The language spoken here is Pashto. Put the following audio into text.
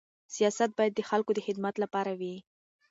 سیاست باید د خلکو د خدمت لپاره وي.